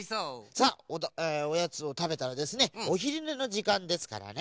さあおやつをたべたらですねおひるねのじかんですからね。